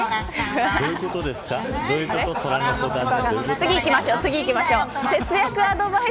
次に行きましょう。